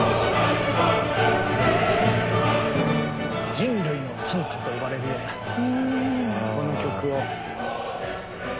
人類の賛歌と呼ばれるようなこの曲を。